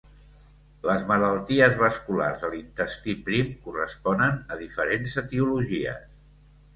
Les malalties vasculars de l'intestí prim corresponen a diferents etiologies.